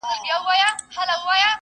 کلونه کیږي په خوبونو کي راتللې اشنا